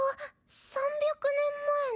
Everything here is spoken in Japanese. ３００年前の？